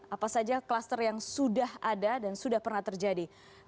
apa saja klaster yang sudah ada dan sudah pernah terjadi